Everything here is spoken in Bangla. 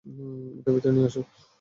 ওকে ভেতরে নিয়ে আসো।